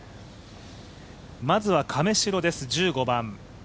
まずは亀代です１５番。